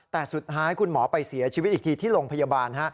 แต่สุดท้ายคุณหมอไปเสียชีวิตอีกทีที่โรงพยาบาล